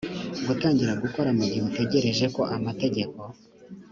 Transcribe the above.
gutangira gukora mu gihe ugitegereje ko amategeko